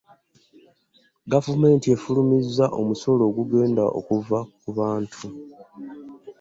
Gavumenti efulumiza omusolo ogugenda okuva ku bantu.